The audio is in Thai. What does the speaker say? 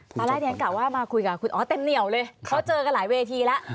พระราชยังแก่ว่ามาคุยกับคุณออสเต็มเหนียวเลยเค้าเจอกันหลายเวทีแล้ว